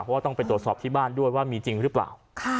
เพราะว่าต้องไปตรวจสอบที่บ้านด้วยว่ามีจริงหรือเปล่า